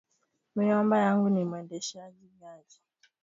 Muyomba yangu ni mwendasha gari